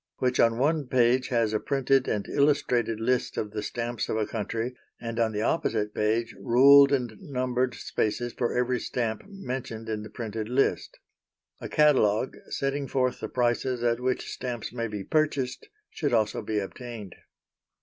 which on one page has a printed and illustrated list of the stamps of a country, and on the opposite page ruled and numbered spaces for every stamp mentioned in the printed list. A catalogue, setting forth the prices at which stamps may be purchased, should also be obtained.